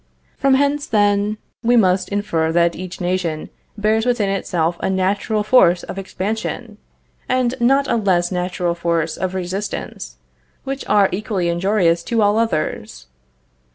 From hence then we must infer that each nation bears within itself a natural force of expansion, and a not less natural force of resistance, which are equally injurious to all others.